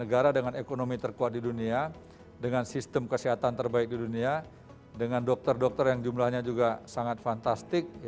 negara dengan ekonomi terkuat di dunia dengan sistem kesehatan terbaik di dunia dengan dokter dokter yang jumlahnya juga sangat fantastik